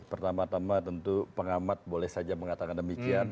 pertama tama tentu pengamat boleh saja mengatakan demikian